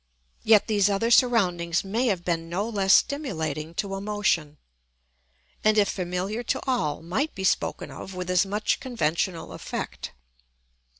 Yet these other surroundings may have been no less stimulating to emotion, and if familiar to all might be spoken of with as much conventional effect.